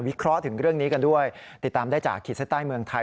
เคราะห์ถึงเรื่องนี้กันด้วยติดตามได้จากขีดเส้นใต้เมืองไทย